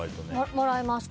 もらいます。